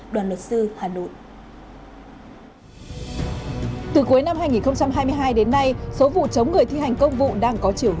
đoàn luật sư hà nội